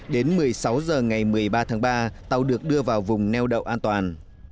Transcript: đến một mươi sáu h ngày một mươi ba tháng ba tàu được đưa vào vùng neo đậu an toàn